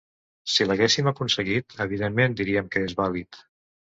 Si l’haguéssim aconseguit, evidentment diríem que és vàlid.